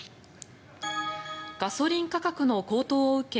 ガソリン価格の高騰を受け